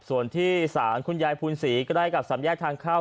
ส่วนที่ศาลคุณยายภูนศรีใกล้กับสำแยกทางเข้า